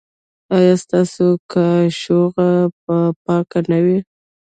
ایا ستاسو کاشوغه به پاکه نه وي؟